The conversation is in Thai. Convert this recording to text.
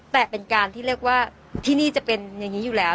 แต่เป็นการที่เรียกว่าที่นี่จะเป็นอย่างนี้อยู่แล้ว